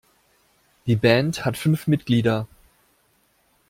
Die Band hat fünf Mitglieder.